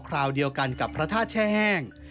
คราวเดียวกันกับพระธาตุแช่แห้ง